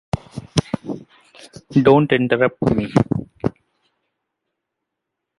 Don’t interrupt me.